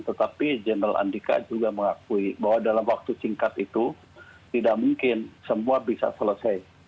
tetapi general andika juga mengakui bahwa dalam waktu singkat itu tidak mungkin semua bisa selesai